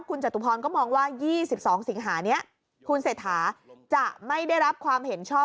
คุณจตุพรก็มองว่า๒๒สิงหานี้คุณเศรษฐาจะไม่ได้รับความเห็นชอบ